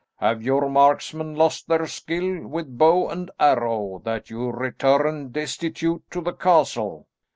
"Have your marksmen lost their skill with bow and arrow, that you return destitute to the castle?"